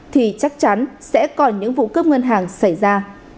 thì chắc chắn sẽ còn những vụ cướp ngân hàng xảy ra